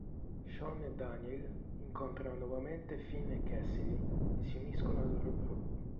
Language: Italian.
Sean e Daniel incontrano nuovamente Finn e Cassidy e si uniscono al loro gruppo.